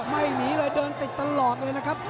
ไม่หนีเลยเดินติดตลอดเลยนะครับ